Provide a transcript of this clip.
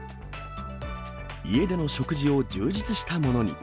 家での食事を充実したものに。